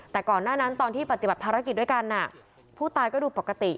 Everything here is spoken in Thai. แต่ก่อนหน้านั้นตอนที่ปฏิบัติภารกิจด้วยกันผู้ตายก็ดูปกติ